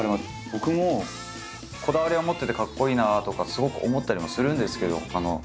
僕もこだわりは持っててかっこいいなあとかすごく思ったりもするんですけど。